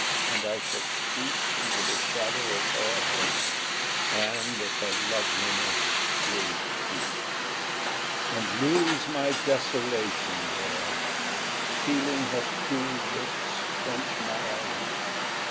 and I shall creep Into the shadow of her hair And of her loveliness drink deep And lose my desolation there, Feeling her cool lips quench my own.